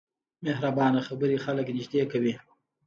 مهربانه خبرې خلک نږدې کوي.